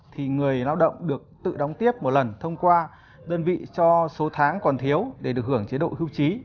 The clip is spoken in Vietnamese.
thì người lao động được tự đóng tiếp một lần thông qua đơn vị cho số tháng còn thiếu để được hưởng chế độ hưu trí